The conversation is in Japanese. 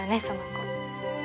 その子。